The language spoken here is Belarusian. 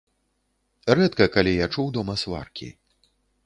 Рэдка калі я чуў дома сваркі.